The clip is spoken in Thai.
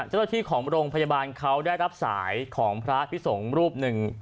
เจ้าหน้าที่ของโรงพยาบาลเขาได้รับสายของพระพิสงฆ์รูปหนึ่ง